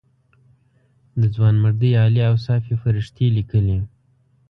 د ځوانمردۍ عالي اوصاف یې فرښتې لیکلې.